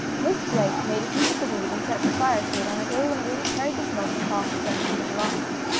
Miss Blake made a heap of the weed and set fire to it on a day when the wind carried the smoke across Jessica's allotment.